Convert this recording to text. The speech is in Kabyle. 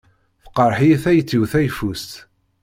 Tqerreḥ-iyi tayet-iw tayeffust.